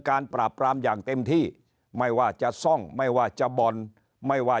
ปราบปรามอย่างเต็มที่ไม่ว่าจะซ่องไม่ว่าจะบ่อนไม่ว่า